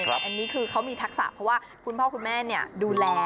อันนี้คือเขามีทักษะเพราะว่าคุณพ่อคุณแม่ดูแล